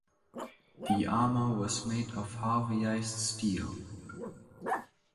The armor was made of harveyized steel.